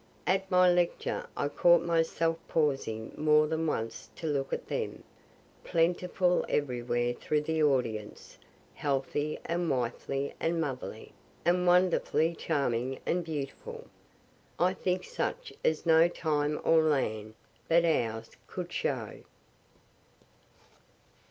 At my lecture I caught myself pausing more than once to look at them, plentiful everywhere through the audience healthy and wifely and motherly, and wonderfully charming and beautiful I think such as no time or land but ours could show.